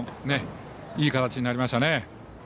いい形になりましたね。